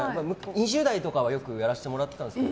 ２０代とかはよくやらせてもらっていました。